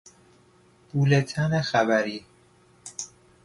بولتن خبری